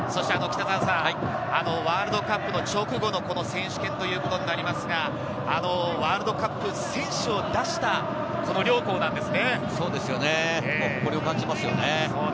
ワールドカップの直後の、この選手権ということになりますが、ワールドカップ選手を出したこの両校なんですね。